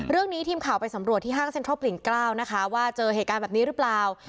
เรื่องนี้ทีมข่าวไปสำรวจที่ห้างเซ็นทรัลปลิง๙นะคะว่าเจอเหตุการณ์แบบนี้หรือเปล่า